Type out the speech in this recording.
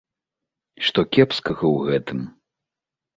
Што кепскага ў гэтым?